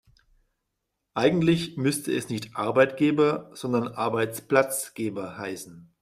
Eigentlich müsste es nicht Arbeitgeber, sondern Arbeitsplatzgeber heißen.